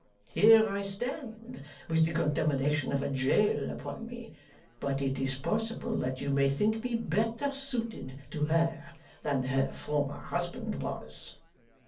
Here I stand, with the contamination of a jail upon me; but it is possible that you may think me better suited to her than her former husband was.